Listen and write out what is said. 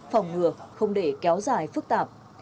phòng ngừa không để kéo dài phức tạp